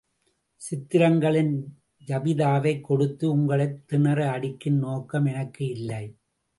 சித்திரங்களின் ஜாபிதாவைக் கொடுத்து உங்களைத் திணற அடிக்கும் நோக்கம் எனக்கு இல்லை.